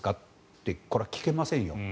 ってこれは聞けませんよ。